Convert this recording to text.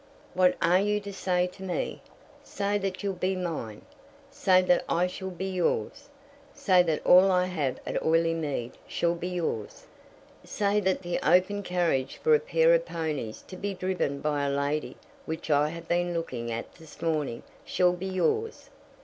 "What are you to say to me? Say that you'll be mine. Say that I shall be yours. Say that all I have at Oileymead shall be yours. Say that the open carriage for a pair of ponies to be driven by a lady which I have been looking at this morning shall be yours.